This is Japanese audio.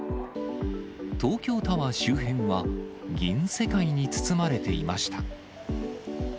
東京タワー周辺は、銀世界に包まれていました。